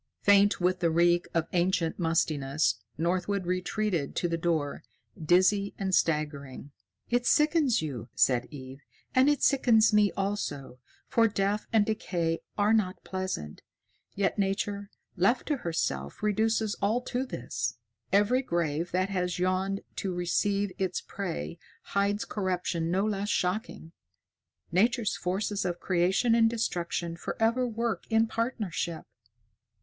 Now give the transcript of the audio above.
Faint with the reek of ancient mustiness, Northwood retreated to the door, dizzy and staggering. "It sickens you," said Eve, "and it sickens me also, for death and decay are not pleasant. Yet Nature, left to herself, reduces all to this. Every grave that has yawned to receive its prey hides corruption no less shocking. Nature's forces of creation and destruction forever work in partnership.